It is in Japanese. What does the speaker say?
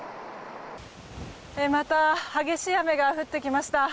また激しい雨が降ってきました。